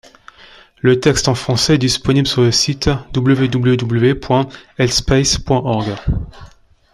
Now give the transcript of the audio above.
Le texte en français est disponible sur le site www.lspace.org.